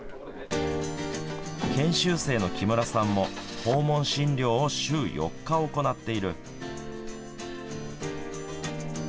研修生の木村さんも訪問診療を週４日行っている。